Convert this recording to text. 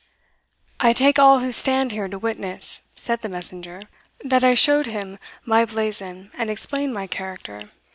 "I take all who stand here to witness," said the messenger, "that I showed him my blazon, and explained my character.